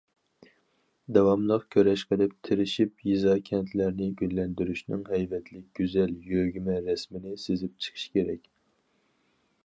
—— داۋاملىق كۈرەش قىلىپ، تىرىشىپ يېزا- كەنتلەرنى گۈللەندۈرۈشنىڭ ھەيۋەتلىك، گۈزەل يۆگىمە رەسىمىنى سىزىپ چىقىش كېرەك.